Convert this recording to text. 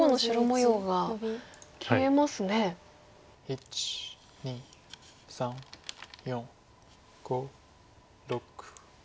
１２３４５６。